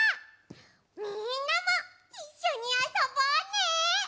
みんなもいっしょにあそぼうね！